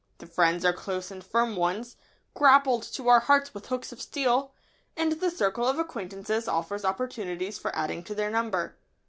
The friends are close and firm ones, "grappled to our hearts with hooks of steel," and the circle of acquaintances offers opportunities for adding to their number.